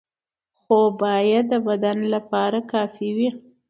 خواب باید د بدن لپاره کافي وي.